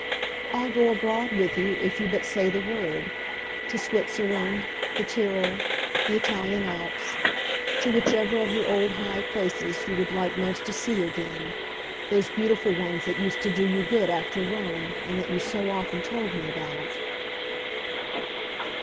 I'll go abroad with you, if you but say the word; to Switzerland, the Tyrol, the Italian Alps, to whichever of your old high places you would like most to see again those beautiful ones that used to do you good after Rome and that you so often told me about."